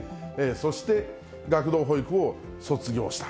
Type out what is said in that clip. そして学童保育を卒業した。